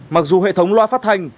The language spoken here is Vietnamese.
mặc dù hệ thống loa phát thanh